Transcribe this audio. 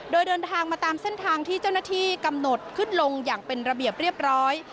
โดยเดินทางมาตามเส้นทางที่เจ้าหน้าที่กำหนดขึ้นลงอย่างเป็นระเบียบเรียบร้อย